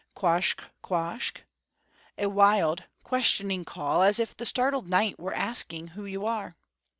quoskh quoskh?_ a wild, questioning call, as if the startled night were asking who you are.